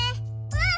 うん！